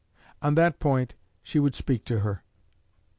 On that point she would speak to her.